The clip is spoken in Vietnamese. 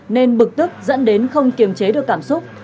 nên bực tức dẫn đến không kiềm chế được cảm xúc